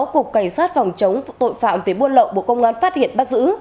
cục cảnh sát phòng chống tội phạm về buôn lậu bộ công an phát hiện bắt giữ